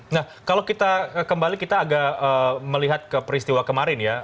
nah kalau kita kembali kita agak melihat ke peristiwa kemarin ya